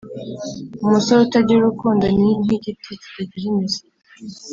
Umusore utagira urukundo ,ni nk’igiti kitagira imizi